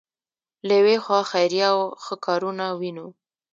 له یوې خوا خیریه او ښه کارونه وینو.